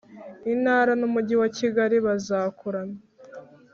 Intara nu Umujyi wa Kigali bazakorana